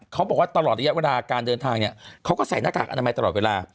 เขาบอกว่าตลอดระยะเวลาการเดินทางเนี่ยเขาก็ใส่หน้ากากอนามัยตลอดเวลา